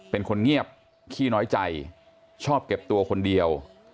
เป็นคนเงียบขี้น้อยใจชอบเก็บตัวคนเดียว